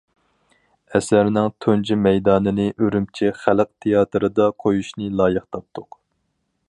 ئەسەرنىڭ تۇنجى مەيدانىنى ئۈرۈمچى خەلق تىياتىرىدا قويۇشنى لايىق تاپتۇق.